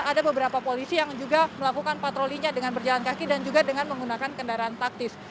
ada beberapa polisi yang juga melakukan patrolinya dengan berjalan kaki dan juga dengan menggunakan kendaraan taktis